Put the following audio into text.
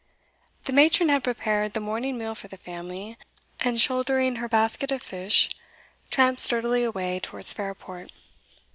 The matron had prepared the morning meal for the family, and, shouldering her basket of fish, tramped sturdily away towards Fairport.